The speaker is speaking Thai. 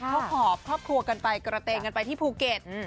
เขาหอบครอบครัวกันไปกระเตงกันไปที่ภูเก็ต